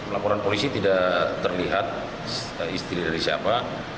laporan polisi tidak terlihat istri dari siapa